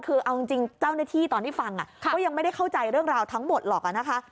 คือเอาจริงเจ้าหน้าที่ตอนที่ฟังก็ยังไม่ได้เข้าใจเรื่องราวทั้งหมดหรอกนะคะ